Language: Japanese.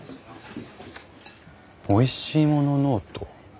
「おいしいものノート」。